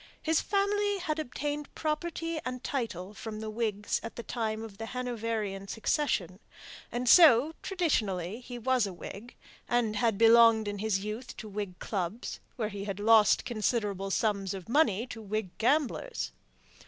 His family had obtained property and title from the Whigs at the time of the Hanoverian succession; and so, traditionally, he was a Whig, and had belonged in his youth to Whig clubs, where he had lost considerable sums of money to Whig gamblers.